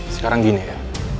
sekarang gini ya